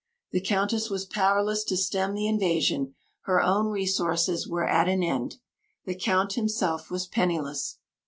The Countess was powerless to stem the invasion; her own resources were at an end, the Count himself was penniless.